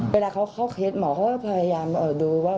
เวลาเขาเข้าเคสหมอเขาก็พยายามดูว่า